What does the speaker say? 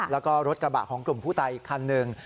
แล้วก็รถกระบะของกลุ่มผู้ตายอีกคันหนึ่ง